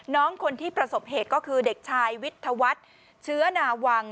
น้องคนที่ประสบเหตุก็คือเด็กชายวิทยาวัฒน์เชื้อนาวัง